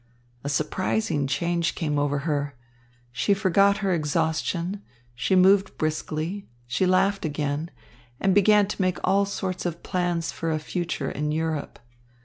A surprising change came over her. She forgot her exhaustion, she moved briskly, she laughed again, and began to make all sorts of plans for a future in Europe.